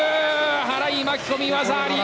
払い巻き込み、技あり！